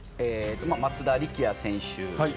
松田力也選手